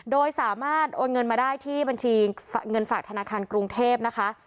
โดยสามารถโอนเงินมาได้ที่บัญชีเงินฝากธนาคารกรุงเทพนะคะ